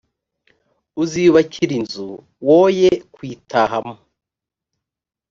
uziyubakira inzu, woye kuyitahamo;